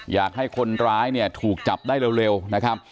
อยากให้คนร้ายเนี่ยถูกจับได้เร็วนะครับ